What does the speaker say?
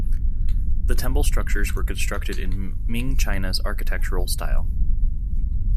The temple structures were constructed in Ming China's architectural style.